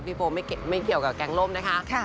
พี่โปร์ไม่เกี่ยวกับแกงร่มนะคะ